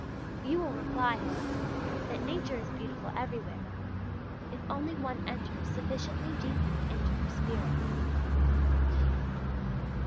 You will reply, however, that nature is beautiful everywhere, if only one enters sufficiently deeply into her spirit.